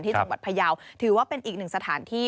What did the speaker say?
จังหวัดพยาวถือว่าเป็นอีกหนึ่งสถานที่